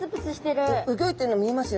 うギョいてるの見えますよね。